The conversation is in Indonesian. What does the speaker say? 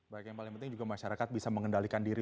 baik yang paling penting juga masyarakat bisa mengendalikan diri